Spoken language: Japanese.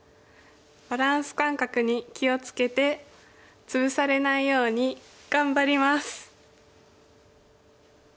バランス感覚に気を付けてツブされないように頑張ります！